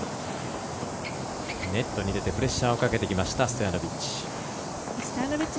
ネットに出てプレッシャーをかけてきたストヤノビッチ。